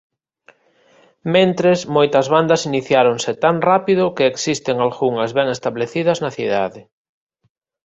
Mentres moitas bandas iniciáronse tan rápido que existen algunhas ben establecidas na cidade.